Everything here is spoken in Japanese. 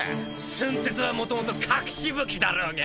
寸鉄はもともと隠し武器だろうが。